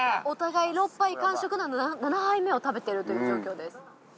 お互い６杯完食なので７杯目を食べているという状況です。